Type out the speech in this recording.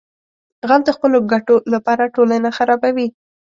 غل د خپلو ګټو لپاره ټولنه خرابوي